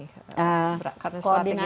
karena strategi nasional kan harus ada